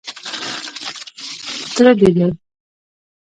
_تره دې دی.